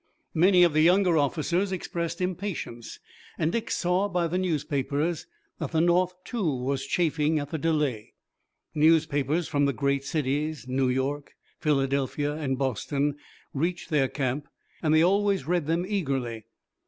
Many of the younger officers expressed impatience and Dick saw by the newspapers that the North too was chafing at the delay. Newspapers from the great cities, New York, Philadelphia and Boston, reached their camp and they always read them eagerly.